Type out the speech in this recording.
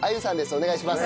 お願いします！